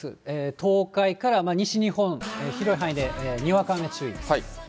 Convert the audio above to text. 東海から西日本、広い範囲でにわか雨注意です。